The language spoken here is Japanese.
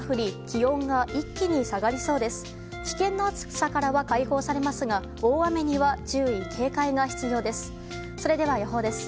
危険な暑さからは解放されますが大雨には注意・警戒が必要です。